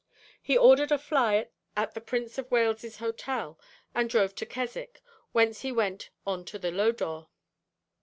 He ordered a fly at the Prince of Wales's Hotel, and drove to Keswick, whence he went on to the Lodore.